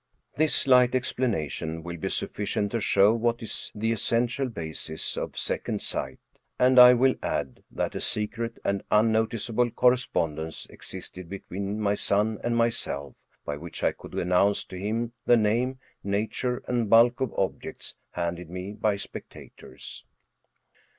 This slight explanation will be sufficient to show what is the essential basis of second sight, and I will add that a secret and unnoticeable correspondence * existed between my son and myself, by which I could announce to him the name, nature, and bulk of objects handed me by spectators.